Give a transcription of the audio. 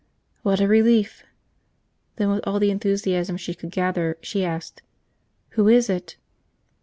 "What a relief!" Then with all the enthusiasm she could gather, she asked: "Who is it?"